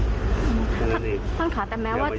ก็ต้องขายแต่แมว